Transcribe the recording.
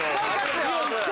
よっしゃ！